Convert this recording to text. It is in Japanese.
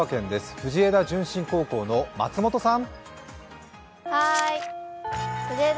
藤枝順心高校の松本さん。